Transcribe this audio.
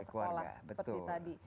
keluarga dan juga sekolah